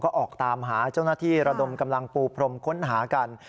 ก็ออกตามหาเจ้าหน้าที่ระดมกำลังปูพรมค้นหากัน